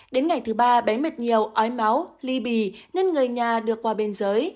đến ngày thứ ba bé mệt nhiều ói máu ly bì nên người nhà được qua biên giới